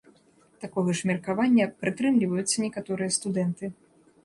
Такога ж меркавання прытрымліваліся некаторыя студэнты.